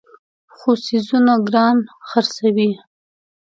خو څیزونه ګران خرڅوي.